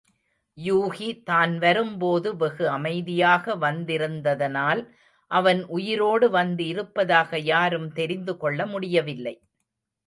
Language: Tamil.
யூகி தான்வரும் போது வெகு அமைதியாக வந்திருந்ததனால் அவன் உயிரோடு வந்து இருப்பதாக யாரும் தெரிந்து கொள்ள முடியவில்லை.